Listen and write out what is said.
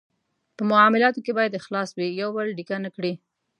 په معالاتو کې باید اخلاص وي، یو بل ډیکه نه کړي.